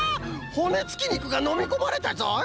ほねつきにくがのみこまれたぞい！